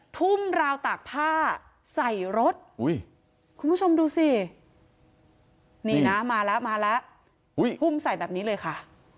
ทุ่มราวตากผ้าใส่รถคุณผู้ชมดูสินี่นะมาแล้วมาแล้วทุ่มใส่แบบนี้เลยค่ะ